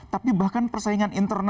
tapi bahkan persaingan internalnya